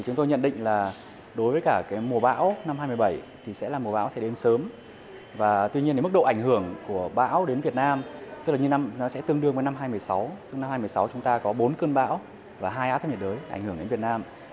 nó cũng sắp xỉ tương đương như năm hai nghìn một mươi bảy